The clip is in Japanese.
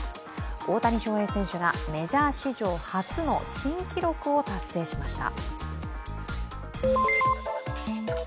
大谷翔平選手がメジャー史上初の珍記録を達成しました。